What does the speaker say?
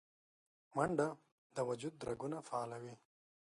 منډه د وجود رګونه فعالوي